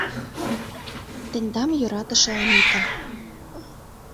Тендам йӧратыше Анита».